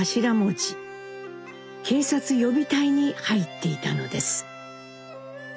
警察予備隊に入っていたのです。